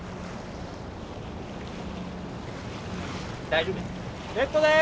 大丈夫や。